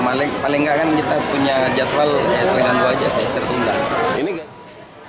paling nggak kan kita punya jadwal ya terganggu aja sih tertunda